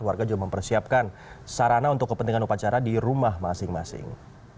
warga juga mempersiapkan sarana untuk kepentingan upacara di rumah masing masing